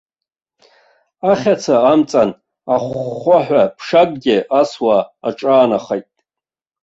Ахьаца амҵан ахәхәаҳәа ԥшакгьы асуа аҿаанахеит.